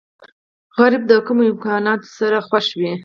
سوالګر د کمو امکاناتو سره خوښ وي